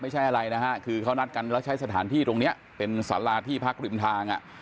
ไม่ใช่อะไรนะฮะคือเขานัดกันแล้วใช้สถานที่ตรงนี้เป็นสาราที่พักริมทางอ่ะ